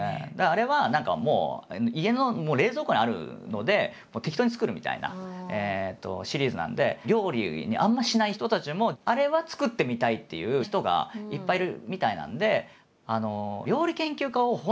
あれは何かもう家の冷蔵庫にあるので適当に作るみたいなシリーズなんで料理あんましない人たちもあれは作ってみたいっていう人がいっぱいいるみたいなんで。